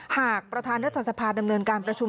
หากประธานรัฐสภาดำเนินการประชุม